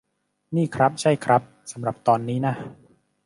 นี่ครับ ใช่ครับ สำหรับตอนนี้นะ